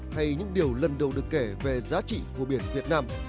hay những điều lần đầu được kể về giá trị của biển việt nam